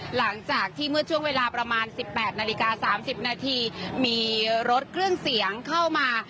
หลังจากที่เมื่อช่วงเวลาประมาณ๑๘นาฬิกา๓๐นาทีมีรถเครื่องเสียงเข้ามา